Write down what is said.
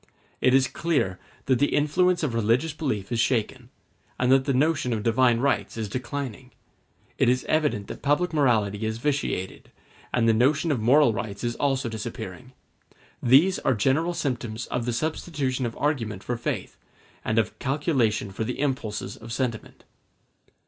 It is clear that the influence of religious belief is shaken, and that the notion of divine rights is declining; it is evident that public morality is vitiated, and the notion of moral rights is also disappearing: these are general symptoms of the substitution of argument for faith, and of calculation for the impulses of sentiment.